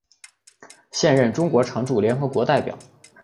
现任中国常驻联合国代表。